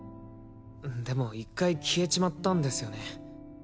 でも１回消えちまったんですよね